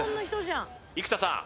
生田さん